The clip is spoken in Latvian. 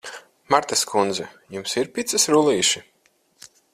Martas kundze, jums ir picas rullīši?